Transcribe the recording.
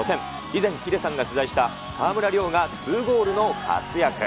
以前、ヒデさんが取材した川村怜が２ゴールの活躍。